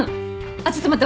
あっちょっと待って。